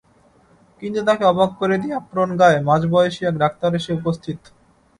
কিন্তু তাঁকে অবাক করে দিয়ে অ্যাপ্রন গায়ে মাঝবয়েসি এক ডাক্তার এসে উপস্থিত।